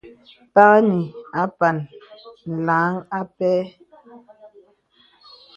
Kpap ìnə àpan làŋ àpɛ.